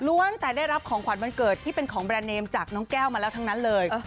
แต่ได้รับของขวัญวันเกิดที่เป็นของแบรนดเนมจากน้องแก้วมาแล้วทั้งนั้นเลย